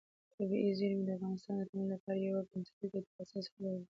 طبیعي زیرمې د افغانستان د ټولنې لپاره یو بنسټیز او ډېر اساسي رول لري.